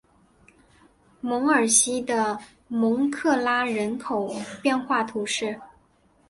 凯尔西的蒙克拉人口变化图示